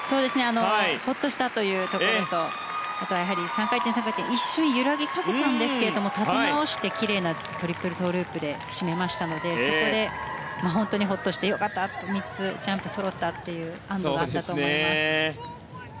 ホッとしたというところとあとは３回転、３回転一瞬揺らぎかけたんですが立て直して奇麗なトリプルトウループで締めましたのでそこで本当にホッとしてよかったと３つ、ちゃんとそろったという安どがあったと思います。